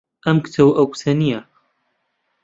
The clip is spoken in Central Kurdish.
ئەم کچە ئەو کچە نییە.